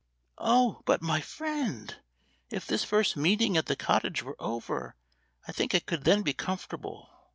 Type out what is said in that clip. "Oh! but, my friend, if this first meeting at the cottage were over, I think I could then be comfortable.